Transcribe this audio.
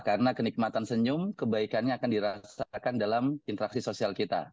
karena kenikmatan senyum kebaikannya akan dirasakan dalam interaksi sosial kita